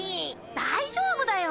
大丈夫だよ！